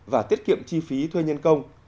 và tiết kiệm chi phí thuê nhân công